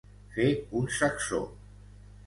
Fer un sacsó.